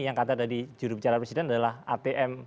yang kata tadi jurubicara presiden adalah atm